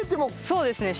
そうですね。